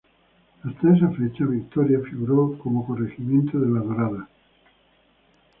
Hasta esta fecha Victoria figuró como corregimiento de La Dorada.